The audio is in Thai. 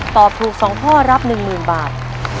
ตอบถูกสองข้อรับหนึ่งหมื่นบาท